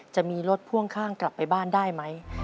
จะมีรถพ่วงข้างกลับไปบ้านได้ไหม